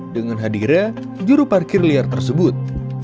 dengan hadirnya juruparkir liar tersebut